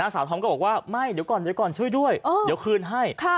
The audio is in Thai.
สาวทอมก็บอกว่าไม่เดี๋ยวก่อนเดี๋ยวก่อนช่วยด้วยเดี๋ยวคืนให้